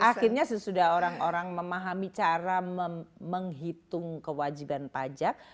akhirnya sesudah orang orang memahami cara menghitung kewajiban pajak